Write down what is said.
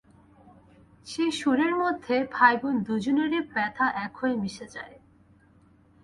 সেই সুরের মধ্যে ভাইবোন দুজনেরই ব্যথা এক হয়ে মিশে যায়।